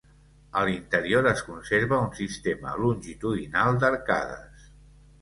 A l'interior es conserva un sistema longitudinal d'arcades.